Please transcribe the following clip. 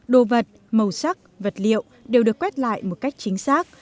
đồ vật màu sắc vật liệu đều được quét lại một cách chính xác